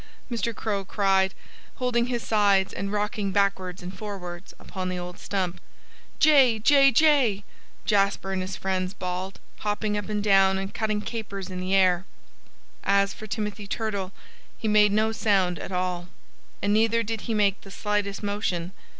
ha_!" Mr. Crow cried, holding his sides and rocking backwards and forwards upon the old stump. "Jay! jay! jay!" Jasper and his friends bawled, hopping up and down and cutting capers in the air. As for Timothy Turtle, he made no sound at all. And neither did he make the slightest motion.